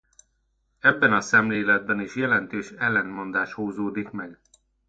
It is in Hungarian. Ebben a szemléletben jelentős ellentmondás húzódik meg.